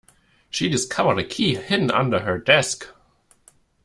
She discovered a key hidden under her desk.